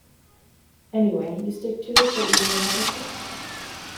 Anyway, you stick to it that you were in love with her?